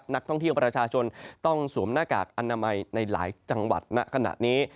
นักท่องเที่ยวประชาชนต้องสวมหน้ากากอนามัยในหลายจังหวัดณขณะนี้